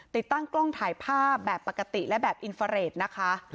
ติดตั้งกล้องถ่ายภาพแบบปกติและแบบอินฟาเรทนะคะ